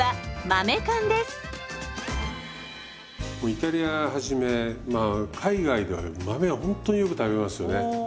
イタリアはじめまあ海外では豆はほんとによく食べますよね。